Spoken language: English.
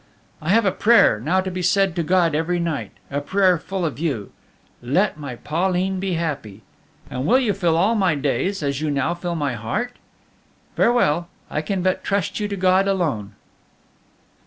"I have a prayer now to be said to God every night a prayer full of you: 'Let my Pauline be happy!' And will you fill all my days as you now fill my heart? "Farewell, I can but trust you to God alone!"